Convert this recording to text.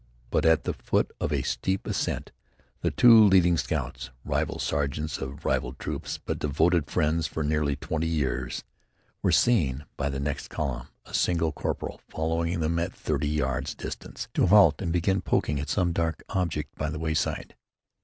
But, at the foot of a steep ascent, the two leading scouts, rival sergeants of rival troops but devoted friends for nearly twenty years, were seen by the next in column, a single corporal following them at thirty yards' distance, to halt and begin poking at some dark object by the wayside.